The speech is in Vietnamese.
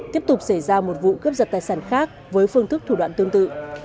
tiếp tục xảy ra một vụ cấp dật tài sản khác với phương thức thủ đoạn tương tự